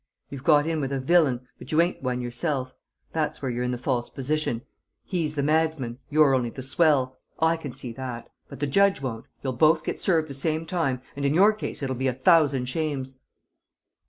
You've got in with a villain, but you ain't one yourself; that's where you're in the false position. He's the magsman, you're only the swell. I can see that. But the judge won't. You'll both get served the same, and in your case it'll be a thousand shames!"